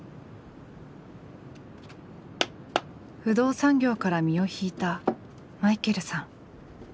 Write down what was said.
不動産業から身を引いたマイケルさん。